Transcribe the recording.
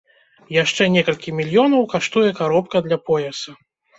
Яшчэ некалькі мільёнаў каштуе каробка для пояса.